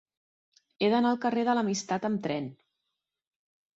He d'anar al carrer de l'Amistat amb tren.